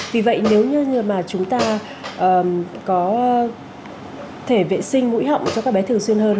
vì vậy nếu như mà chúng ta có thể vệ sinh mũi họng cho các bé thường xuyên hơn